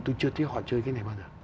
tôi chưa thấy họ chơi cái này bao giờ